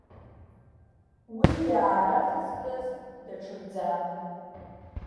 Уи иаара зызкыз даҽакӡан.